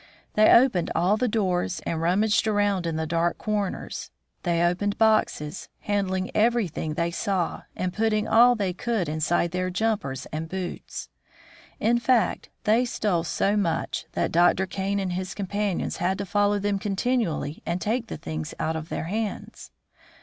They opened all the doors and rummaged around in the dark corners. They opened boxes, handling everything they saw, and putting all they could inside their jumpers and boots. In fact, they stole so much that Dr. Kane and his companions had to follow them continually and take the things out of their hands.